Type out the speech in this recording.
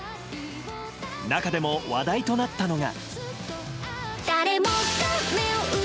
中でも話題となったのが。